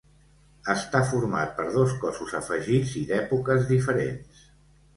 Està format per dos cossos afegits i d'èpoques diferents.